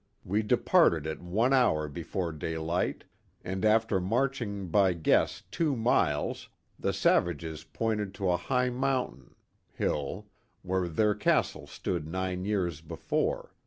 We departed at one hour before daylight, and after marching by guess two miles, the savages pointed to a high mountain [hill] where their Castle stood nine years before.